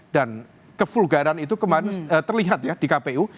dan kevulgaran itu kemarin terlihat ya di kpu